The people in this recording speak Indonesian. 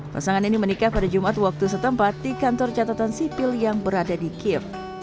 pasangan ini menikah pada jumat waktu setempat di kantor catatan sipil yang berada di kiev